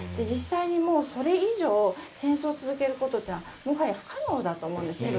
実際にもうそれ以上戦争を続けることはもはや不可能だと思うんです